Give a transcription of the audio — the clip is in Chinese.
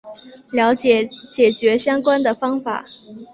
了解解决相关的方法